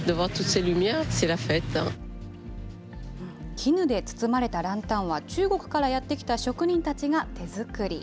絹で包まれたランタンは、中国からやって来た職人たちが手作り。